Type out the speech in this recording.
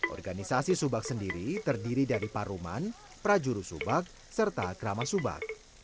organisasi subak sendiri terdiri dari paruman prajuru subak serta krama subak